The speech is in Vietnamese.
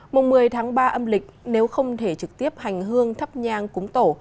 mùng một mươi tháng ba âm lịch nếu không thể trực tiếp hành hương thắp nhang cúng tổ